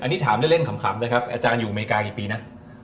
อันนี้ถามเล่นขำเลยครับอาจารย์อยู่อเมริกากี่ปีนะ